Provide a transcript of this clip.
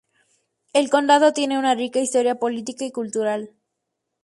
El condado tiene una rica historia política y cultural.